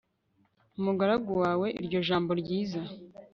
umugaragu wawe iryo jambo ryiza